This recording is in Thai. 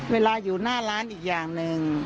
เวลาอยู่หน้าร้านอีกอย่างหนึ่ง